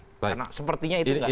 karena sepertinya itu gak dipahami